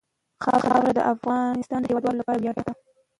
خاوره د افغانستان د هیوادوالو لپاره ویاړ دی.